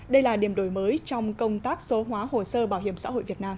đây là điểm đổi mới trong công tác số hóa hồ sơ bảo hiểm xã hội việt nam